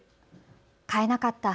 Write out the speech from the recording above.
買えなかった。